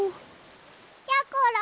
やころ。